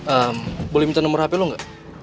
eh boleh minta nomor hp lo gak